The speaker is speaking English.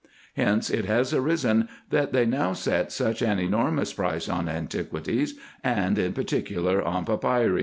Hence it has arisen, that they now set such an enormous price on antiquities, and in particular on papyri.